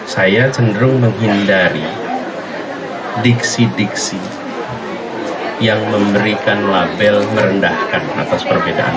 saya cenderung menghindari diksi diksi yang memberikan label merendahkan atas perbedaan